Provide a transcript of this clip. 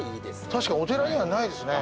確かにお寺にはないですね。